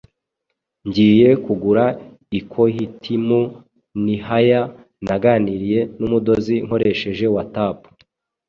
ngiye kugura ikoitimu nhya, naganiriye numudozi nkoreheje WatApu